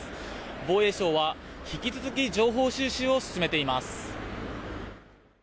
防衛省は引き続き情報収集を進めています。